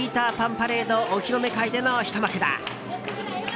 パレードお披露目会でのひと幕だ。